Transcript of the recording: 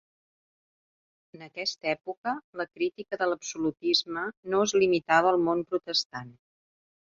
En aquesta època, la crítica de l'absolutisme no es limitava al món protestant.